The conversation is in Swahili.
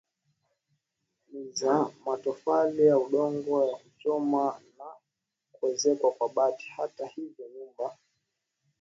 ni za matofali ya udongo ya kuchoma na kuezekwa kwa bati hata hivyo nyumba